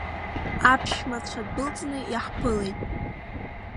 Аԥшәмацәа дәылҵны иаҳԥылеит.